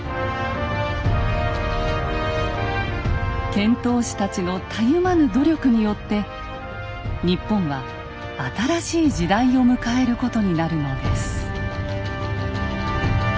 遣唐使たちのたゆまぬ努力によって日本は新しい時代を迎えることになるのです。